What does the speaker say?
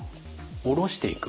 下ろしていく。